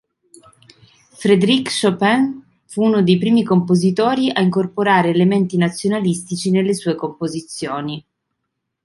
Frédéric Chopin fu uno dei primi compositori a incorporare elementi nazionalistici nelle sue composizioni.